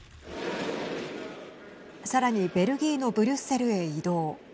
さらにベルギーのブリュッセルへ移動。